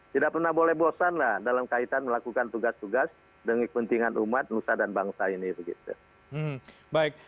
tidak pernah boleh bosan dalam kaitan melakukan tugas tugas demi kepentingan umat nusa dan bangsa ini